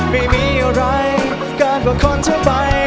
ไม่มีอะไรกับคนเธอไป